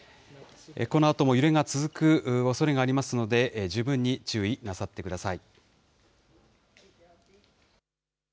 このあとも揺れが続くおそれがありますので、十分に注意なさってください。